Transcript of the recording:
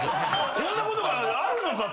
こんなことがあるのかと。